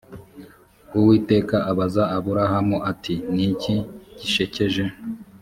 uwiteka abaza aburahamu ati ni iki gishekeje